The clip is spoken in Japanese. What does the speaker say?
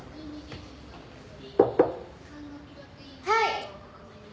はい。